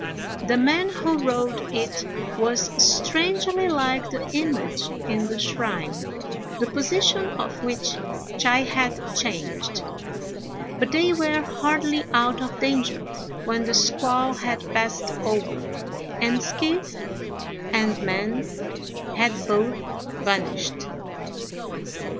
The man who rowed it was strangely like the image in the shrine, the position of which Chai had changed; but they were hardly out of danger when the squall had passed over, and skiff and man had both vanished.